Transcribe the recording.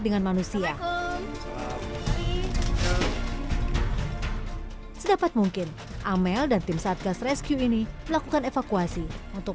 dengan manusia sedapat mungkin amel dan tim satgas rescue ini melakukan evakuasi untuk